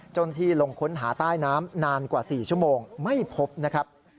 เจ้าหน้าที่ลงค้นหาใต้น้ำนานกว่า๔ชั่วโมงไม่พบนะครับ